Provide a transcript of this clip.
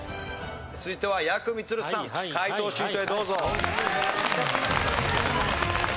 続いてはやくみつるさん解答シートへどうぞ。